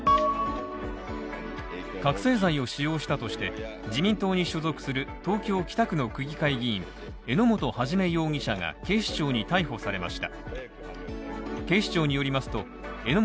覚醒剤を使用したとして、自民党に所属する東京北区の区議会議員榎本一容疑者が、警視庁に逮捕されました。